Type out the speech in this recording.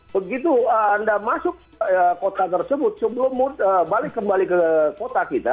begitu anda masuk kota tersebut sebelum balik kembali ke kota kita